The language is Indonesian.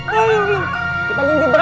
di dalam kubur tuh jak